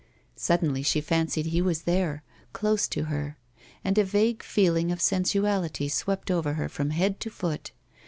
Suddenly she fancied he was there — close to her ; and a vague feeling of sensuality swept over her from head to foot.